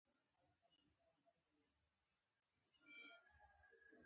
د شیخانانو پېشنهادونه منظور دي.